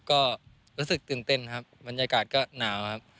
ก็รู้สึกตื่นเต้นครับบรรยากาศก็หนาวครับ